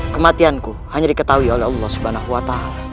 kematianku hanya diketahui oleh allah swt